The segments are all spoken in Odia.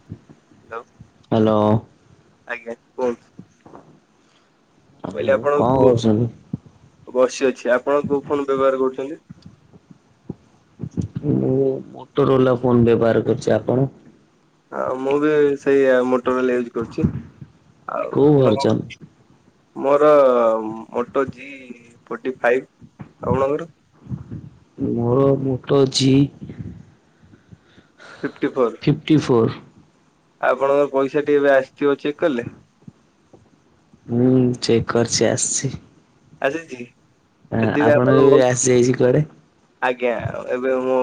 [unintelligible] ହ୍ୟାଲୋ ହ୍ୟାଲୋ ଆଜ୍ଞା କୁହନ୍ତୁ। କହିଲେ ଆଉ ଆପଣ କଣ କୁ କରୁଛନ୍ତି ବସି ଅଛି ଆପଣ କୋଉ ଫୋନ୍ ବ୍ୟବହାର କରୁଚନ୍ତି? ମୁଁ ମୋଟରୋଲା ଫୋନ ବ୍ୟବହାର କରୁଚି ଆପଣ? ହଁ ମୁଁ ବି ସେଇଆ ମୋଟରୋଲା ୟୁଜ୍ କରୁଚି ଆଉ କୋଉ ଆପଣ ଭର୍ଜନ କଣ ମୋର ମୋଟୋ ଜି ଫୋର୍ଟି ଫାଇଭ୍ ଆପଣଙ୍କର? ମୋର Moto G fifty four. Fifty four. ଆପଣଙ୍କ ପଇସା ଟି ଏବେ ଆସି ସେଓ ଚେକ୍ କରିଲେ? ହୁଁ ଚେକ୍ କରିଛି ଆସିଛି। ଆଜିଛି। ହଁ ଆପଣଙ୍କର ବି ଆସିଯାଇଛି କୁଆଡେ? ଆଜ୍ଞା ଏବେ ମୋ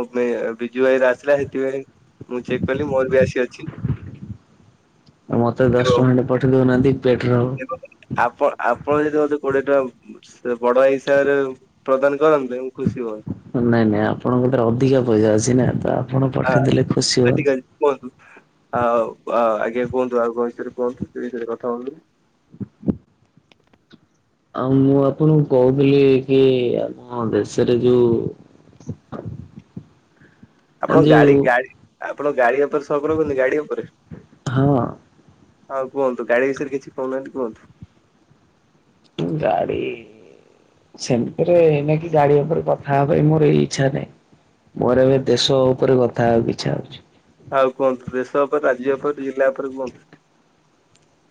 ବିଜୁ ଭାଇର ଆସିଲା ସେଥିପାଇଁ ମୁଁ ଚେକ୍ କଲି ମୋର ବି ଆସି ଅଛି। ଆଉ ମତେ ଦଶ ଏବଂ ଟଙ୍କା ଖଣ୍ଡେ ପଠେଇ ଦଉନାହାନ୍ତି ପେଟ୍ରୋଲ ଆପ ଆପଣ ଯଦି ମତେ କୋଡିଏ ଟଙ୍କା ସେ ବଡ ହିସାବରେ ପ୍ରଦାନ କରନ୍ତେ ମୁ ଖୁସି ହୁଅନ୍ତି। ନାଇଁ ନାଇଁ ଆପଣଙ୍କ ଠାରେ ଅଧିକା ପଇସା ଅଛି ନା ତ ଆପଣ ହଁ ପଠେଇଦେଲେ ଖୁସି ହୁଅନ୍ତି ଆର୍ଟିକାଲ୍। କୁହନ୍ତୁ ଆଉ ଆଜ୍ଞା କୁହନ୍ତୁ ଆଉ କାହା ବିଷୟରେ କୁହନ୍ତୁ ସେହି ବିଷୟରେ କଥା ହୁଅନ୍ତୁ। ଆଉ ମୁଁ ଆପଣଙ୍କୁ କହୁଥିଲି କି ଆମ ଦେଶରେ ଯୋଉ [inaudible] ଆପଣ ଯୋଉ ଗାଡି ଗାଡି ଆପଣ ଗାଡି ଉପରେ ସଗ ରଖୁଚନ୍ତି ଗାଡି ଉପରେ? ହଁ। ହଁ କୁହନ୍ତୁ ଗାଡି ବିଷୟରେ କିଛି କହୁନାହାନ୍ତି? କୁହନ୍ତୁ? ଗାଡ଼ି ସେମିତିରେ ଅଇନାକେ ଗାଡି ଉପରେ କଥା ହେବା ପାଇଁ ମୋର ଏଇ ଇଚ୍ଛା ନାହିଁ। ମୋର ଏବେ ଦେଶ ଉପରେ କଥା ହେବାକୁ ଇଚ୍ଛା ହେଉଛି। ଆଉ କୁହନ୍ତୁ ଦେଶ ଉପରେ ରାଜ୍ୟ ଉପରେ ଜିଲ୍ଲା ଉପରେ କୁଅନ୍ତୁ।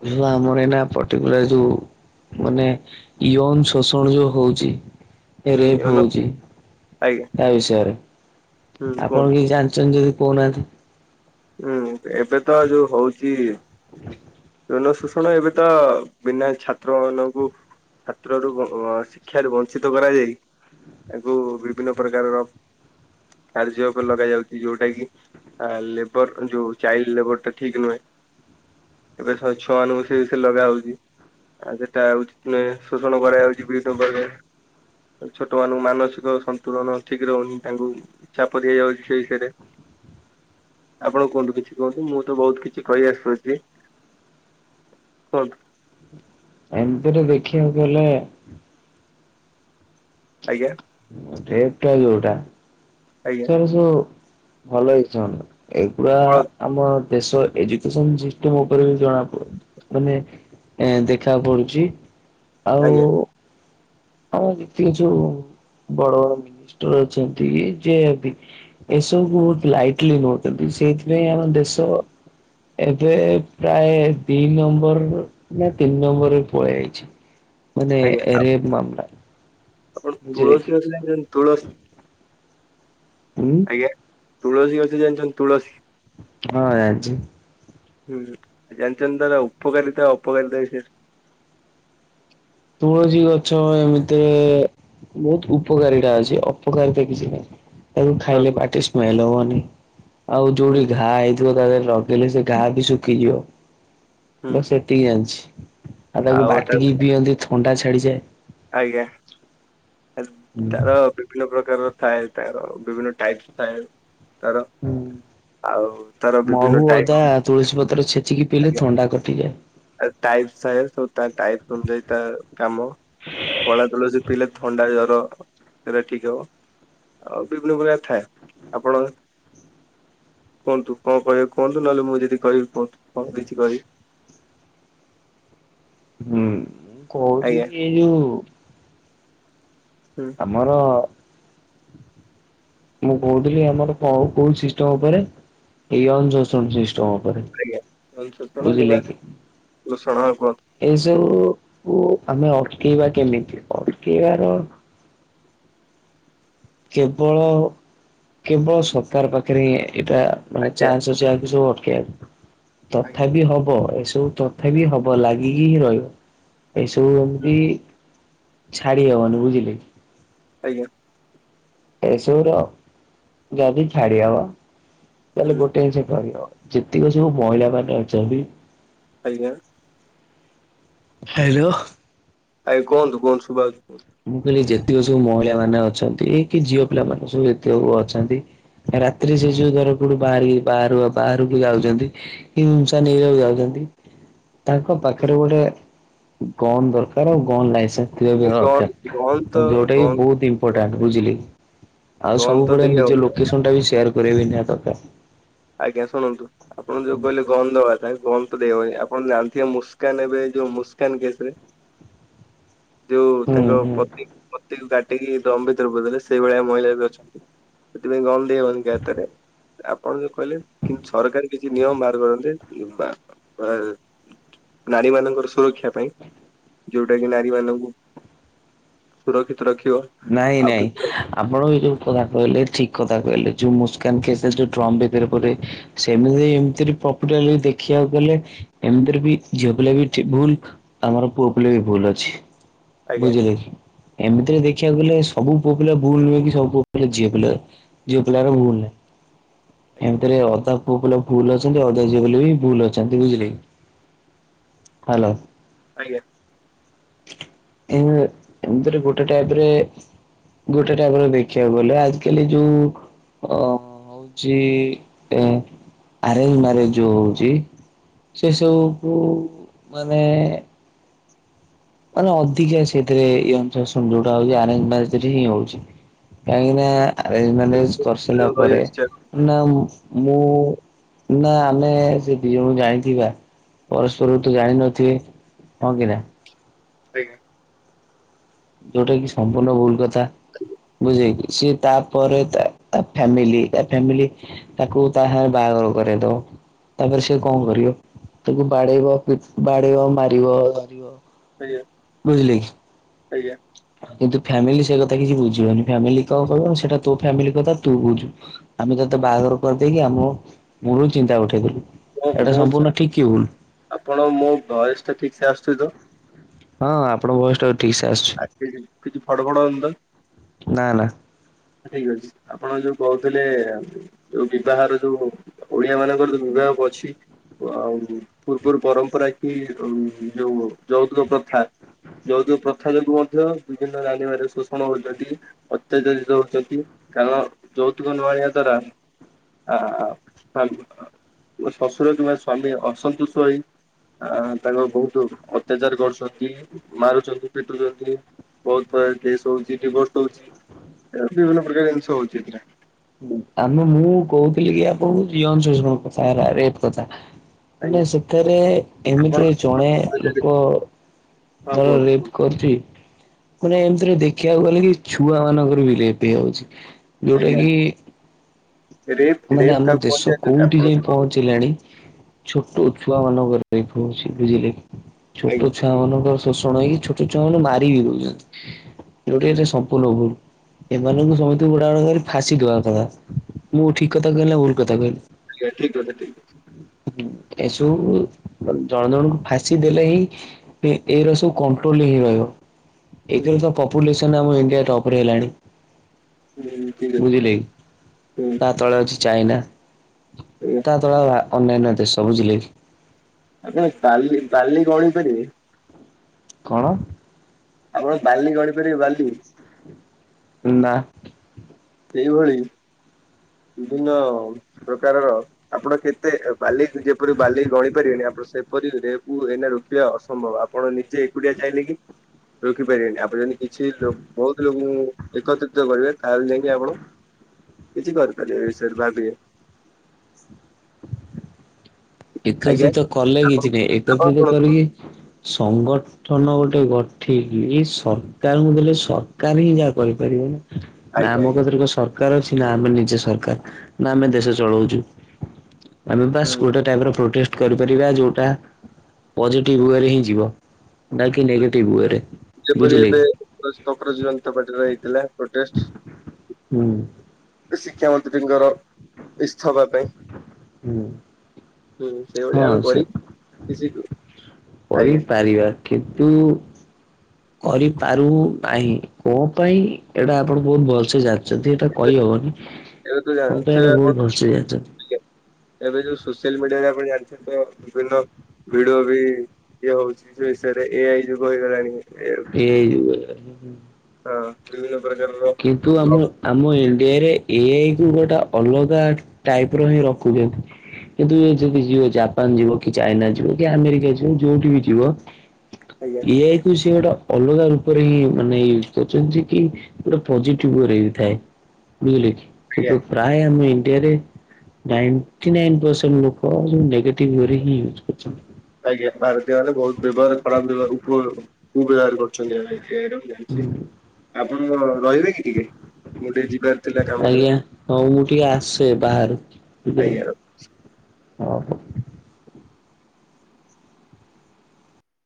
ମୁଁ ଆମର ଏଇନା ପରଟିକୁଲାର୍ ଯୋଉ ମାନେ ୟଂଙ୍ଗ ଶୋଷଣୀୟ ହଉଛି ହୁଁ ରେଫ୍‌ ୟୋନୋ ହଉଚି ଆଜ୍ଞା ତା ବିଷୟରେ। ହୁଁ ଆପଣ କୁହନ୍ତୁ। କିଛି ଜାଣିଚନ୍ତି ଯଦି କହୁନାହାନ୍ତି। ହୁଁ ଏବେ ତ ଯୋଉ ହଉଚି ଜନ ଶୋଷଣ ଏବେ ତ ବିନା ଛାତ୍ର ମାନଙ୍କୁ ଛାତ୍ରରୁ ଶିକ୍ଷାାରୁ ବଂଞ୍ଚିତ କରାଯାଇ ତାକୁ ବିଭିନ୍ନ ପ୍ରକାରର କାର୍ଯ୍ୟ ଉପରେ ଲଗାଯାଉଚି ଯୋଉଟା କି ଲେ ଲେବର ଯୋଉ ଚାଇଲ୍ଡ ଲେବରଟା ଠିକ୍ ନୁହେଁ। ଏବେ ଛୁଆମାନଙ୍କୁ ସେ ବିଷୟରେ ଲଗା ହଉଚି। ଆଉ ସେଟା ହଉଚି ଶୋଷଣ କରାଯାଉଚି ବିଭିନ୍ନ ପ୍ରକାରରେ। ଛୋଟ ମାନଙ୍କୁ ମାନସିକ ସନ୍ତୁଳନ ଠିକ ରହୁନି ତାଙ୍କୁ ଚାପ ଦିଆଯାଉଚି ସେଇ ବିଷୟରେ ଆପଣ କୁହନ୍ତୁ କିଛି କୁହନ୍ତୁ ମୁଁ ତ ବହୁତ କିଛି କହି ଆସୁଛି କୁହନ୍ତୁ। ଏମିତିରେ ଦେଖିବାକୁ ଗଲେ ଆଜ୍ଞା। ରେଫ୍ ଟା ଯୋଉଟା। ଆଜ୍ଞା। ହେ ଶୁଣ୍ ଭଲଇଚନ ଏଗୁରା ଆମର ଦେଶ ଏଜୁକେସନ୍ ସିଷ୍ଟମ୍ ଉପରେ ବି ଜଣାପଡୁନି ମାନେ ଏ ଦେଖା ପଡୁଛି ଆଉ ଆଜ୍ଞା ହଁ ଯେତିକି ଯୋଉ ବଡ ମିନିଷ୍ଟର ଅଛନ୍ତି ଯେ ଏସବୁକୁ ବହୁତ୍ ଲାଇଟଲି ନଉଛନ୍ତି ସେଇଥିପାଇଁ ଆମ ଦେଶ ଏବେ ପ୍ରାୟ ଦି ନମ୍ବର ନା ତିନି ନମ୍ବର ରେ ପଳେଇ ଆଇଛି। ମାନେ ଆଜ୍ଞା ରେପ୍ ମାମଲା। ଆପଣ ବୁଝିଲେ କି ତୁଳସୀ ଗଛ ଜାଣିଛନ୍ତି ତୁଳସୀ? ହଁ। [unintelligible] ତୁଳସୀ ଗଛ ଜାଣିଛଛନ୍ତି ତୁଳସୀ? ହଁ ଜାଣିଛି। ହୁଁ ଜାଣିଛନ୍ତି ତାର ଉପକାରିତା ଓ ଅପକାରିତା ବିଷୟଷରେ। ତୁଳସୀ ଗଛ ଏମିତିରେ ବହୁତ ଉପକାରିତା ଅଛି ଅପକାରିତା କିଛି ନାହିଁ। ତାକୁ ହଁ ଖାଇଲେ ପାଟି ସ୍ମେଲ ହବନି ଆଉ ହୁଁ ଯୋଉଠି ଘାଆ ହେଇ ତା ଦେହରେ ଲଗେଇଲେ ସେ ଘାଆ ବି ଶୁଖିଯିବ ହୁଁ ବାସ୍ ଏତିକି ଜାଣିଛି। ଆଉ ତାକୁ ବାଟିକି ପିଅନ୍ତି ଥଣ୍ଡା ଛାଡ଼ି ଯାଏ। ଆଜ୍ଞା। ତାର ହୁଁ ବିଭିନ୍ନ ପ୍ରକାରର ଥାଏ ତାର ବିଭିନ୍ନ ଟାଇପ୍ସ ଥାଏ ତାର ଆଉ ତାର ମହୁ ବିଭିନ୍ନ ଟାଇ ଅଦା ତୁଳସୀ ପତ୍ର ଛେଚିକି ପିଇଲେ ଥଣ୍ଡା କଟିଯାଏ। ଟାଇପ୍ସ ଥାଏ ସବୁ ତା ଟାଇପ୍ ଅନୁଯାୟୀ ତା କାମ। କଳା ତୁଳସୀ ପିଇଲେ ଥଣ୍ଡା ଜ୍ବର ସେଇଟା ଠିକ ହବ ଆଉ ବିଭିନ୍ନ ପ୍ରକାର ଥାଏ ଆପଣ କୁହନ୍ତୁ କଣ କହିବେ କୁହନ୍ତୁ ନହେଲେ ମୁଁ ଯଦି କରିବି କୁହନ୍ତୁ କଣ କିଛି କହିବି? ହୁଁ ମୁଁ କହୁଛି ଆଜ୍ଞା। କି ଏଇ ଯଉ ହୁଁ। ଆମର ମୁଁ କହୁଥିଲି ଆମର କ କୋଉ ସିଷ୍ଟମ ଉପରେ [unintelligible] [unintelligible] ରେ ଆଜ୍ଞା ଶୋଷଣ କିମ୍ବା ବୁଝିଲେ କି? ଲୋଷଣ କୁହନ୍ତୁ ଏ ସବୁକୁ ଆମେ ଅଟକେଇବା କେମିତି ଅଟକେଇ ବାର କେବଳ କେବଳ ସରକାର ପାଖରେ ହିଁ ଏଇଟା ମାନେ ଆଜ୍ଞା ଚାନ୍ସ ଅଛି ୟାକୁ ସବୁ ଅଟକେଇ ବାକୁ। ଆଜ୍ଞା। ତଥାପି ହବ ଏସବୁ ତଥାପି ହବ ଲାଗିକି ହିଁ ରହିବ। ଏସବୁ ହୁଁ, ଏମିତି ଛାଡ଼ି ହବନି ବୁଝିଲେ କି? ଆଜ୍ଞା। ଏସବୁର ଯଦି ଛାଡ଼ି ହବ ତାହେଲେ ହୁଁ ଗୋଟେ ଜିନିଷ କରିହବ ଯେତିକ ସବୁ ମହିଳା ମାନେ ଅଛନ୍ତି ଆଜ୍ଞା। ହ୍ୟାଲୋ। ଆଜ୍ଞା କୁହନ୍ତୁ କୁହନ୍ତୁ ଶୁଭା ହଉଛି। ମୁଁ କହିଲି ଯେତିକି ସବୁ ମହିଳା ମାନେ ଅଛନ୍ତି କି ଝିଅ ପିଲା ମାନେ ସବୁ ଯେତିକ ସବୁ ଅଛନ୍ତି ରାତିରେ ସେ ଯୋଉ ଧର କୋଉଠୁ ବାହାରି ବାହର ବାହାରକୁ ଯାଉଛନ୍ତି। [unintelligible] ତାଙ୍କ ହୁଁ, ପାଖରେ ଗୋଟେ ଗନ୍ ଦରକାର ଆଉ ଗନ୍ ଲାଇସେନ୍ସ ଥିବା ବି ଗହନ୍ତ ଦରକାର। ଯୋଉଟା ବି ଗହନ୍ତ ବହୁତ ଇମ୍ପୋର୍ଟାଣ୍ଟ ବୁଝିଲେ କି ଆଉ ଗହନ୍ତ ସବୁବେଳେ ଦେଇ ନିଜ ଆଉ ଲୋକ ଲୋକେସନଟା ବି ଶେୟାର କରିବା ନିହାତି ଦରକାର। ଆଜ୍ଞା ଶୁଣନ୍ତୁ ଆପଣ ଯୋଉ କହିଲେ ଗନ୍ ଦବା ପାଇଁ ଗନ [unintelligible] ହବନି ଆପଣ ଜାଣିଥିବେ ମୁସ୍କାନ ଏବେ ଯୋଉ ମୁସ୍କାନ କେସ ରେ ଯୋଉ ହୁଁ ତାଙ୍କ ହୁଁ ପତି ପତିଙ୍କୁ ଗା ପତିଙ୍କୁ ଡ୍ରମ୍ ଭିତରେ ପୁରେଇ ଦେଲେ ସେଇଭଳିଆ ମହିଳା ବି ଅଛନ୍ତି ସେଥିପାଇଁ ଗନ୍ ଦେଇ ହବନି କାହା ହାତରେ। ଆପଣ ଯୋଉ କହିଲେ କି ସରକାର କିଛି ନିୟମ ବାହାର କରନ୍ତେ କିମ୍ବା ବା ନାରୀ ମାନଙ୍କର ସୁରକ୍ଷା ପାଇଁ ଯୋଉଟା କି ନାରୀ ମାନଙ୍କୁ ସୁରକ୍ଷିତ ରଖିବ। ନାଇଁ ଆଉ ନାଇଁ ବି ଆପଣ ଏ ଯୋଉ କଥା କହଲେ ଠିକ କଥା କହଲେ ଯେଉ ମୁସ୍କାନ ଟେଷ୍ଟ ରେ ଯୋଉ ଡ୍ରମ୍ ଭିତରେ ପୁରେଇ ସେମିତି ଏମିତି ପ୍ରପରଲି ଦେଖିବାକୁ ଗଲେ ଏମିତିରେ ବି ଝିଅ ପିଲା ବି ଠି ଭୁଲ। ଆମର ପୁଅ ପିଲା ବି ଭୁଲ ଅଛି ଆଜ୍ଞା। ବୁଝିଲେ କି ଏମିତିରେ ଦେଖି ଦେଖିଆକୁ ଗଲେ ସବୁ ପୁଅ ପିଲା ଭୁଲ ନୁହେଁ କି ସବୁ ପୁଅ ପିଲା ଝିଅ ପିଲା ଝିଅ ପିଲାର ଭୁଲ୍ ନାହିଁ। ଏମିତିରେ ଅଧା ପୁଅ ପିଲା ଭୁଲ ଅଛନ୍ତି ଅଧା ଝିଅ ପିଲା ବି ଭୁଲ ଅଛନ୍ତି ବୁଝିଲେ କି? ହ୍ୟାଲୋ ଆଜ୍ଞା। ଏମି ଏମିତିରେ ଗୋଟେ ଟାଇପରେ ଗୋଟେ ଟାଇପରେ ଦେଖିବାକୁ ଗଲେ ଆଜି କାଲି ଯୋଉ ଅ ହଉଛି, ଏ ଆରେଞ୍ଜ ମ୍ୟାରେଜ ଯୋଉ ହଉଛି। ସେସବୁକୁ ମାନେ ମାନେ ଅଧିକା ସେଥିରେ ଇମ୍ପେସନ ଯୋଉଟା ହଉଛି ଆରେଞ୍ଜ ମ୍ୟାରେଜରେ ହିଁ ହଉଛି। କାହିଁକିନା ଆରେଞ୍ଜ ମ୍ୟାରେଜ କରିସାରିଲା ପରେ। ରହିଆସିଛି। ନା ମୁଁ, ନା ଆମେ ସେ ଦି ଜଣଙ୍କୁ ଜାଣିଥିବା। ପରସ୍ପରକୁ ତ ଜାଣିନଥିବେ ହଁ କି ନା? ଆଜ୍ଞା! ଯୋଉଟା କି ସମ୍ପୂର୍ଣ୍ଣ ଭୁଲ କଥା। ବୁଝିଲେକି? ସିଏ ତା ପରେ ତା, ତା ଫାମିଲି ତା ଫାମିଲି ତାକୁ ତା ସାଙ୍ଗରେ ବାହାଘର କରେଇଦବ। ତାପରେ ସେ କଣ କରିବ? ତାକୁ ବାଡେଇବ ପି ବାଡେଇବ ମାରିବ। ଆଜ୍ଞା! ବୁଝିଲେ କି? ଆଜ୍ଞା! କିନ୍ତୁ ଫ୍ୟାମିଲି ସେ କଥା କିଛି ବୁଝିବନି, ଫ୍ୟାମିଲି କଣ କହିବ ସେଇଟା ତୋ ଫ୍ୟାମିଲି କଥା ତୁ ବୁଝୁ। ଆମେ ତତେ ବାହାଘର କରିଦେଇକି ଆମ ମୁଣ୍ଡରୁ ଚିନ୍ତା ଉଠେଇଦେଲୁ। ମୋ ଏଇଟା ମୋ ସମ୍ପୂର୍ଣ୍ଣ ଠିକ କି ଭୁଲ? ଆପଣ ମୋ ଭଏସଟା ଠିକ୍ ସେ ଆସୁଛି ତ? ହଁ ଆପଣ ଭୟସ ଟା ଠିକ୍ ସେ ଆସୁଛି। ଆ କିଛି ଫଡ ଫଡ ହଉନିତ? ନା ନା ଠିକ ଅଛି ଆପଣ ଯୋଉ କହୁଥିଲେ ଯୋଉ ବିବାହର ଯୋଉ ଓଡିଆ ମାନଙ୍କର ତ ବିଭାକ ଅଛି। ଆଉ ପୂର୍ବରୁ ପରମ୍ପରା କି ଯୋଉ ଯୌତୁକ ପ୍ରଥା। ଯୋଉତୁକ ପ୍ରଥା ଯୋଗୁ ମଧ୍ୟ ଦୁଇ ଦିନ ଜାଣିବାରେ ଶୋଷଣ ହଉଛନ୍ତି। ଅତ୍ୟାଚାରିତ ଦଉଛନ୍ତି କାରଣ ଯୌତୁକ ନଆଣିବା ଦ୍ୟରା ଆ ଶ୍ୱଶୁର କିମ୍ବା ସ୍ଵାମୀ ଅସନ୍ତୁଷ ହୋଇ ଆ ତାଙ୍କୁ ବହୂକୁ ଅତ୍ୟାଚାର କରୁଛନ୍ତି ମାରୁଛନ୍ତି। ପିଟୁଛନ୍ତି ବହୁତ ପ୍ରକାର କେସ୍ ହଉଛି ଡିଭୋର୍ସ ହଉଛି। ବିଭିନ୍ନ ପ୍ରକାର ଜିନିଷ ହଉଛିି ଏଥିରେ। ଆମେ ମୁଁ କହୁଥିଲି କି ଆପଣଙ୍କୁ ଜୀଅନଶଷଣ କଥା ହେଲା ରେପ କଥା। ମାନେ ଆଜ୍ଞା ସେଠାରେ ଆପଣ ଏମିତିରେ ଜଣେ କହିଲେ ଲୋକ ହଁ ଧର କୁହନ୍ତୁ ରେପ କୁହନ୍ତୁ କରିଚି। ମାନେ ଏମିତିରେ ଦେଖିବାକୁ ଗଲେ କି ଛୁଆ ମାନଙ୍କର ବି ରେପ ହେଇଯାଉଛି ଯୋଉଟା ଆଜ୍ଞା କି ରେପ୍ ମାନେ ରେପ୍ ଆମ କାହାକୁ କୁହନ୍ତି ଦେଶ ଜାଣିଛନ୍ତି କୋଉଠି ଆପଣ ଯାଇ ପହ ଶୁଣନ୍ତୁ ଞ୍ଚିଲାଣି ଛୋଟ ଛୁଆମାନଙ୍କର ରେପ ହଉଛି ବୁଝିଲେ କି? ଛୋଟ ଆଜ୍ଞା ଛୁଆ ମାନଙ୍କର ଶୋଷଣ ହିଁ ଛୋଟ ଛୁଆ ମାନଙ୍କୁ ମାରି ବି ଦଉଛନ୍ତି ଯୋଉଠି ଏତେ ଆଜ୍ଞା ସ ମ୍ପୂର୍ଣ୍ଣ ଭୁଲ୍, ଏମାନଙ୍କୁ ସମସ୍ତଙ୍କୁ ବୁଡା ଗୁଡା କରି ଫାସି ଦବା ମୁଁ ଠିକ କଥା କହିଲି ନା ଭୂଲ କଥା କହିଲି? ଠିକ୍ କଥା ଠିକ ଅଛି। ଏସବୁ ଜଣ ଜଣଙ୍କୁ ଫାଶୀ ଦେଲେ ହିଁ କଥା ଏଇରା ସବୁ କଣ୍ଟ୍ରୋଲ ହେଇକି ରହିବ। ହୁଁ ଏକରେ ତ ପପୁଲେସନ ଇଣ୍ଡିଆ ଟପରେ ହେଲାଣି। ହୁଁ ଠିକ ଅଛି ବୁଝିଲେ କି ହୁଁ ତା ତଳେ ଅଛି ଚାଇନା ଆଜ୍ଞା ତା ତଳେ ଅନ୍ୟାନ୍ୟ ଦେଶ ବୁଝିଲେ କି? ଆପଣ ବାଲି ବାଲି ଗଣି ପାରିବେ? କଣ? ଆପଣ ବାଲି ଗଣିପାରିବେ ବାଲି? ନା। ସେଇଭଳି ବିଭିନ୍ନ ପ୍ରକାରର ଆପଣ କେତେ ବାଲି ଯେପରି ବାଲି ଗଣି ପାରିବେନି ଆପଣ ସେପରି ଏ ରେପକୁ ରୋକିବା ଅସମ୍ଭବ ଆପଣ ନିଜେ ଏକୁଟିଆ ଚାହିଁଲେ କି? ରଖିପାରିବେନି ଆପଣ ଯଦି କିଛି ବହୁତ ଲୋକଙ୍କୁ ଏକତ୍ରିତ କରିବେ ତାହେଲେ ଯାଇ ଆପଣ କିଛି କରିପାରିବେ ଏ ବିଷୟରେ ଭାବିବେ। ଆଜ୍ଞା ଏକତ୍ରିତ କଲେ ଆପଣ କିଛି ନାଇଁ ଆପଣ ଏକତ୍ରିତ କଣ କରିକି ସଂଗଠ ଠନ ଗୋଟେ ଗଠେଇକି ସରକାରଙ୍କୁ ଦେଲେ ସରକାର ହିଁ ଯାହା କରିପାରିବେ। ନା ଆଜ୍ଞା ମୋ ଆଜ୍ଞା କହୁଥିଲି ସ ସରକାର ଅଛି ନା ଆମେ ନିଜେ ସରକାର ନା ଆମେ ଦେଶ ଚଳଉଛୁ ଆମେ ବାସ୍ ହୁଁ ଗୋଟେ ଗୋଟେ ପ୍ରୋଟେଷ୍ଟ କରିପାରିବା ଯୋଉଟା ପଜିଟିଭ ୱେରେ ହିଁ ଯିବ। ନାଁ କି ନେଗେଟିଭ ୱେ ରେ। ଯେପରି ଏବେ କକରୋଜ ଜନତା ପାର୍ଟିର ହେଇଥିଲା ପ୍ରଟେଷ୍ଟ। ହୁଁ। ଶିକ୍ଷା ମନ୍ତ୍ରୀଙ୍କର ଇସ୍ତଫା ପାଇଁ। ହୁଁ। ହୁଁ ହଁ ସେଇଭଳିଆ ଆମେ ସେ କରି କିଛି ଆଜ୍ଞା। ସାରିବା କିନ୍ତୁ କରିପାରୁ ନାହିଁ କଣ ପାଇଁ ଏଇଟା ଆପଣ ବହୁତ ଭଲସେ ଜାଣି ଯଦି ଏଇଟା ଏବେ କହିହବନି ଏବେ ତ ମତେ ଏଇଟା ଜାଣିଥିବେ ଆପଣ ବହୁତ ଭଲସେ ଜାଣିଛନ୍ତି। ଏବେ ଯୋଉ ସୋସିଆଲ ମିଡିଆରେ ଆପଣ ଜାଣିଛନ୍ତି ତ ବିଭିନ୍ନ ଭିଡଓ ବି ଇଏ ହଉଛି ଏସାରେ ଏଆଇ ଯୁଗ ହେଇଗଲାଣି। ଏଆଇ ଯୁଗ ହଁ ବିଭିନ୍ନ ପ୍ରକାରାର ଆମ ଜପ୍। ଆମ ଇଣ୍ଡିଆରେ ଏଆଇ କୁ ଗୋଟେ ଅଲଗା ଟାଇପ୍ ର ହିଁ ରଖୁଚନ୍ତି। କିନ୍ତୁ ଯଦି ଯିଏ ଜାପାନ ଯିବ କି ଚାଇନା ଯିବ କି ଆମେରିକା ଯିବ ଯୋଉଠି ବି ଯିବ ଆଜ୍ଞା ଏଆଇ କୁ ସିଏ ଗୋଟେ ଅଲଗା ରୂପରେ ମାନେ ୟୁଜ କରୁକନ୍ତି ଜେକି ଗୋଟେ ପଜିଟିଭରେ ଥାଏ ବୁଝିଲେ କି ଆଜ୍ଞା କିନ୍ତୁ ପ୍ରାୟ ଆମ ଇଣ୍ଡିଆରେ ନାଇଣ୍ଟି ନାଇ ପରସେଣ୍ଟ ଲୋକ ନେଗେଟିଭ ୱେରେ ହିଁ ୟୁଜ୍ କରୁଚନ୍ତି। ଆଜ୍ଞା ଭାରତୀୟ ମାନେ ବହୁତ ବ୍ୟବହାର କରନ୍ତି ବା [unintelligible] ମୁଁ ଗଲାବେଳକୁ କରୁଚନ୍ତି ଏଆଇ ର ମୁ ଯାଣିଚି। ଆପଣ କଣ ରହିବେ କି ମୁଁ ଟିକେ ଯିବାର ଥିଲା କାମ ଥିଲା ଆଜ୍ଞା ହଁ ମୁଁ ଟିକେ ଆସେ ବାହାରୁ [unintelligible] ଆଜ୍ଞା। ହଉ ହଉ।